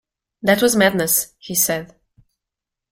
"That was madness," he said.